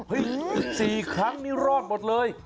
๔ครั้งนี่รอดหมดเลย